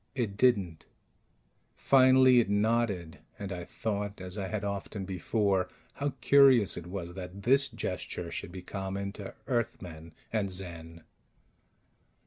It didn't. Finally it nodded, and I thought, as I had often before, how curious it was that this gesture should be common to Earthmen and Zen.